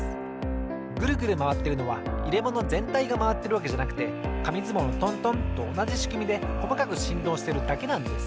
グルグルまわってるのはいれものぜんたいがまわってるわけじゃなくてかみずもうのトントンとおなじしくみでこまかくしんどうしてるだけなんです。